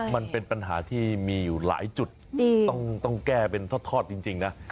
มันเป็นปัญหาที่มีอยู่หลายจุดต้องแก้เป็นทอดจริงนะ